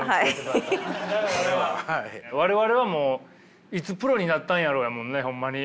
我々はもういつプロになったんやろうやもんねホンマに。